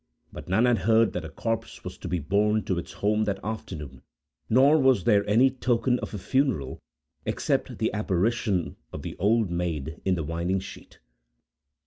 But none had heard that a corpse was to be borne to its home that afternoon, nor was there any token of a funeral, except the apparition of the "Old Maid in the Winding Sheet."